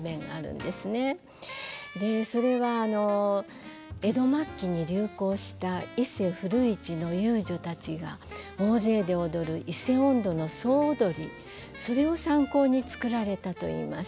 それは江戸末期に流行した伊勢古市の遊女たちが大勢で踊る「伊勢音頭」の総踊りそれを参考に作られたといいます。